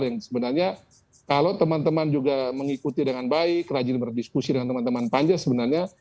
yang sebenarnya kalau teman teman juga mengikuti dengan baik rajin berdiskusi dengan teman teman panja sebenarnya